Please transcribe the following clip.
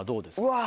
うわ。